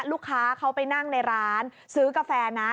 ลูกค้าเขาไปนั่งในร้านซื้อกาแฟนะ